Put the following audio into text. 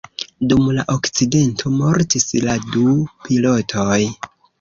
Dum la akcidento mortis la du pilotoj.